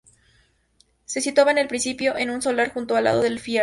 Se situaba en un principio en un solar justo al lado del fiordo.